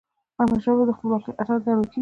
احمدشاه بابا د خپلواکی اتل ګڼل کېږي.